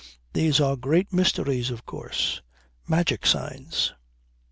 These are great mysteries, of course. Magic signs.